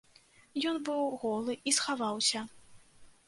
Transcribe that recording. Ён быў голы і схаваўся.